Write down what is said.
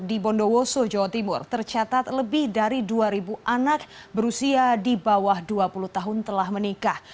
di bondowoso jawa timur tercatat lebih dari dua anak berusia di bawah dua puluh tahun telah menikah